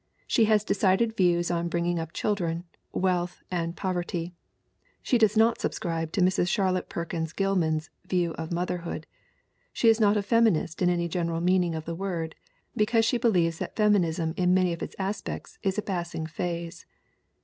She has decided views on bringing up children, wealth and poverty; she does not subscribe to Mrs. Charlotte Perkins Oilman's views of motherhood; she is not a feminist in any general meaning of the word, because she believes that feminism in many of its aspects is a passing phase.